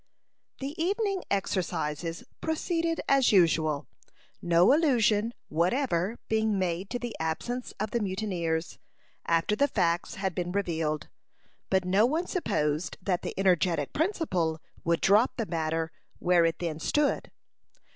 The evening exercises proceeded as usual, no allusion whatever being made to the absence of the mutineers, after the facts had been revealed. But no one supposed that the energetic principal would drop the matter where it then stood.